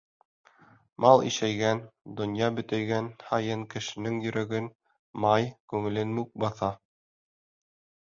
Мал ишәйгән, донъя бөтәйгән һайын кешенең йөрәген — май, күңелен мүк баҫа.